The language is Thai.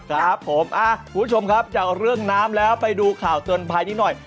ครับผมคุณผู้ชมครับจากเรื่องน้ำแล้วไปดูข่าวเตือนภัยนี้หน่อย